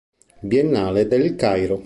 Biennale del Cairo